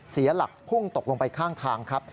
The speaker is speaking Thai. เสียหลักพุ่งตกลงไปข้างทางครับ